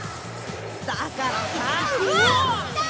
だからさ。